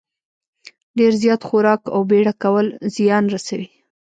ډېر زیات خوراک او بېړه کول زیان رسوي.